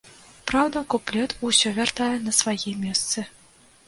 Праўда, куплет усё вяртае на свае месцы.